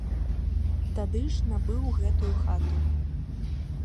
Тады ж набыў гэтую хату.